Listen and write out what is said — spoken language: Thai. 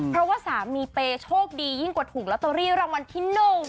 เพราะว่าสามีเปย์โชคดียิ่งกว่าถูกลอตเตอรี่รางวัลที่๑